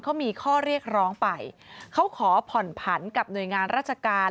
เขามีข้อเรียกร้องไปเขาขอผ่อนผันกับหน่วยงานราชการ